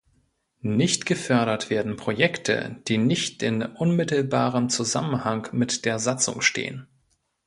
Nicht gefördert werden Projekte, die nicht in unmittelbarem Zusammenhang mit der Satzung stehen.